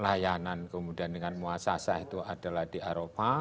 layanan kemudian dengan muasasa itu adalah di aropah di minas